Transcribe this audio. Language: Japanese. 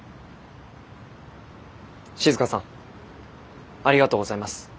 静さんありがとうございます。